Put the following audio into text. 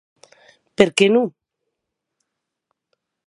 Per qué non?